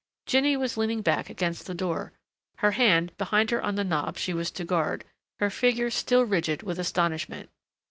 Jinny was leaning back against the door, her hand behind her on the knob she was to guard, her figure still rigid with astonishment.